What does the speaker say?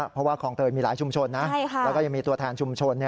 เพราะว่าคลองเตยมีหลายชุมชนนะแล้วก็ยังมีตัวแทนชุมชน